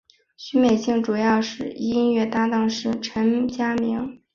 许美静的主要音乐搭档是陈佳明。